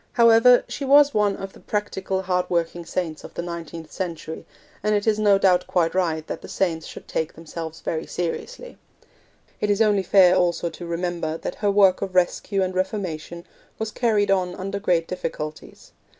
However, she was one of the practical, hardworking saints of the nineteenth century, and it is no doubt quite right that the saints should take themselves very seriously. It is only fair also to remember that her work of rescue and reformation was carried on under great difficulties.